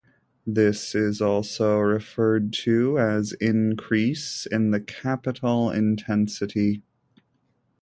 This is also referred to as increase in the capital intensity.